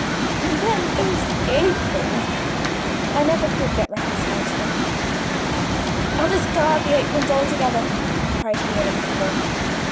And then, those aprons! I never could get reconciled to them." "I'll discard the aprons altogether," cried he, in a fever.